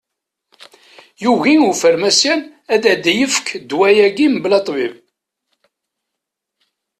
Yugi ufarmasyan ad yi-d-yefk ddwa-agi mebla ṭṭbib.